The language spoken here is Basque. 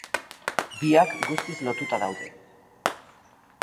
Biak guztiz lotuta daude.